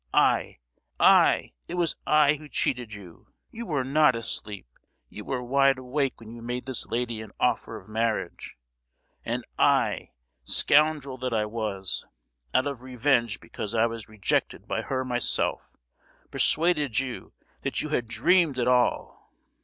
I, I—it was I who cheated you: you were not asleep,—you were wide awake when you made this lady an offer of marriage! And I—scoundrel that I was—out of revenge because I was rejected by her myself, persuaded you that you had dreamed it all!"